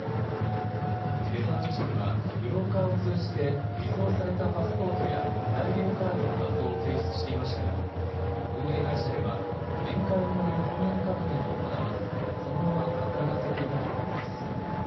ベトナム人はブローカーを通じて偽造されたパスポートや在留カードの画像を提出していましたが運営会社では面会による本人確認を行わずそのまま働かせていたということです。